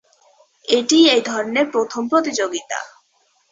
এটিই এই ধরনের প্রথম প্রতিযোগিতা।